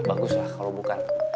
baguslah kalau bukan